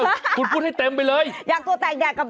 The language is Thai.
เออมึงพูดให้เต็มไปเลยอ่านี่มันเป็นชื่อเขา